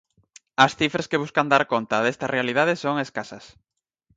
As cifras que buscan dar conta desta realidade son escasas.